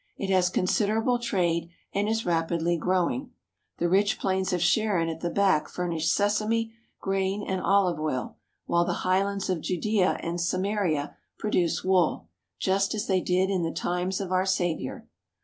It has considerable trade and is rapidly growing. The rich plains of Sharon at the back furnish sesame, grain, and olive oil, while the highlands of Judea and Samaria produce wool, just as they did in the times of our Saviour.